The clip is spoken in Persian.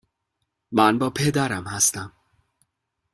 من با پدرم هستم.